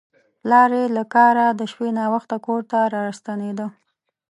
پلار یې له کاره د شپې ناوخته کور ته راستنېده.